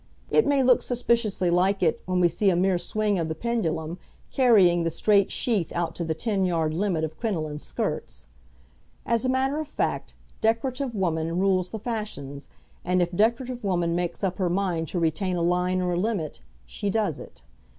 It may look suspiciously like it when we see a mere swing of the pendulum carrying the straight sheath out to the ten yard limit of crinoline skirts. As a matter of fact, decorative woman rules the fashions, and if decorative woman makes up her mind to retain a line or a limit, she does it.